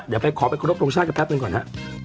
เดี๋ยวไปขอไปครบทรงชาติกันแป๊บหนึ่งก่อนฮะ